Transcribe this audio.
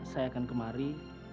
saya akan kemari